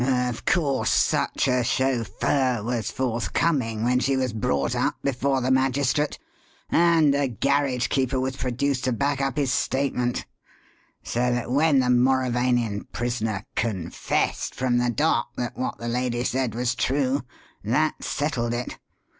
Of course such a chauffeur was forthcoming when she was brought up before the magistrate; and a garage keeper was produced to back up his statement; so that when the Mauravanian prisoner 'confessed' from the dock that what the lady said was true, that settled it.